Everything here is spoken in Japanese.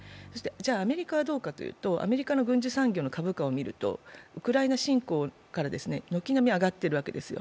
アメリカはどうかというとアメリカの軍事産業の株価をみるとウクライナ侵攻から軒並み上がっているわけですよ。